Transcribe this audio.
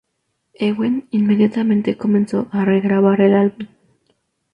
Ewen inmediatamente comenzó a re-grabar el álbum.